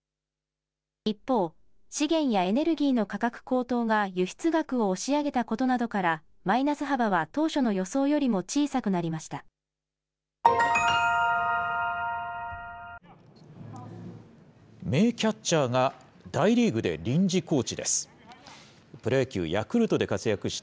一方、資源やエネルギーの価格高騰が輸出額を押し上げたことなどから、マイナス幅は当初の予想よりも小さくなりました。